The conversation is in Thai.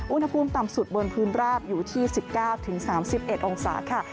อุณหภูมิต่ำสุดบนพื้นราบอยู่ที่๑๙๓๑องศาค่ะ